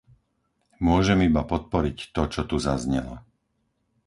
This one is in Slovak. Môžem iba podporiť to, čo tu zaznelo.